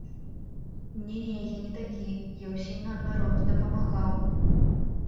Не-не, я не такі, я ўсім наадварот дапамагаў.